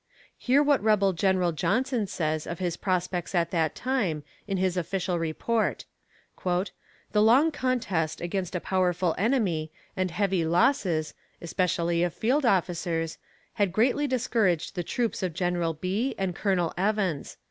Hear what rebel Gen. Johnson says of his prospects at that time, in his official report: "The long contest against a powerful enemy, and heavy losses, especially of field officers, had greatly discouraged the troops of Gen. Bee and Col. Evans.